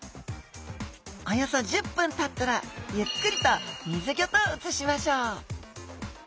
およそ１０分たったらゆっくりと水ギョと移しましょう